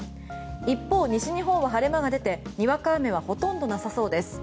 一方、西日本は晴れ間が出てにわか雨はほとんどなさそうです。